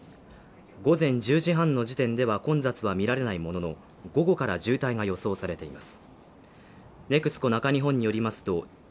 午前１０時半の時点では混雑は見られないものの午後から渋滞が予想されています。